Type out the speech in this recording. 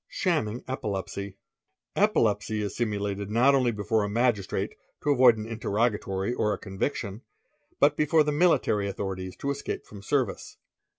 Shamming Epilepsy. _ Epilepsy is simulated not only before a magistrate to avoid an terrogatory or a conviction, but before the military authorities to ese from service.